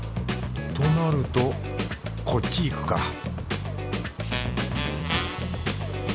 となるとこっち行くか